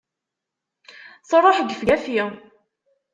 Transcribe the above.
truḥ gefgafi!